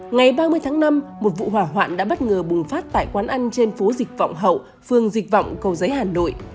ngày ba mươi tháng năm một vụ hỏa hoạn đã bất ngờ bùng phát tại quán ăn trên phố dịch vọng hậu phương dịch vọng cầu giấy hà nội